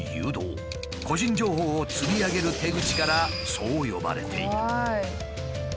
個人情報を釣り上げる手口からそう呼ばれている。